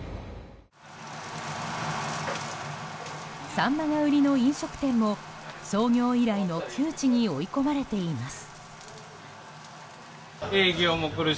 サンマが売りの飲食店も創業以来の窮地に追い込まれています。